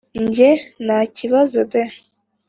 njye: ntakibazo bae!